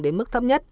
đến mức thấp nhất